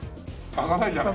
開かないじゃない。